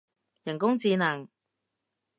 人工智能